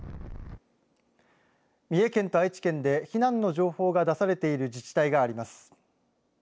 三重県と愛知県で避難の情報が出されている自治体があります。